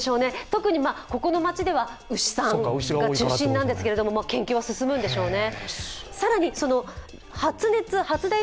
特にここの町では牛さんが中心なんですけれども、研究は進むんでしょうね。